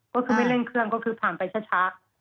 ก็คือไม่เร่งเครื่องก็คือผ่านไปช้า